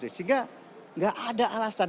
sehingga tidak ada alasan